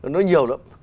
nó nhiều lắm